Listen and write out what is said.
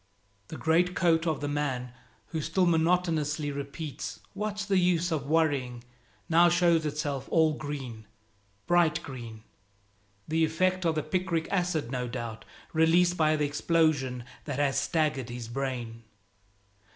The greatcoat of the man who still monotonously repeats, "What's the use of worrying?" now shows itself all green, bright green, the effect of the picric acid no doubt released by the explosion that has staggered his brain.